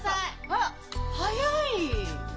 あっ早い！